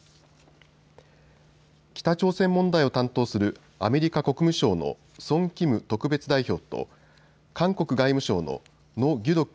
北朝鮮問題を担当するアメリカ国務省のソン・キム特別代表と韓国外務省のノ・ギュドク